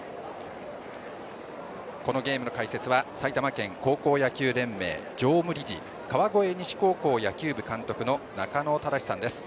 このゲームの解説は埼玉県高野連常務理事川越西高校野球部監督の中野忠司さんです。